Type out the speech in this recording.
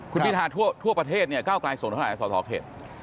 คุณพิทาทั่วประเทศเนี่ยก้าวกลายส่งเท่าไหร่สอสอเขต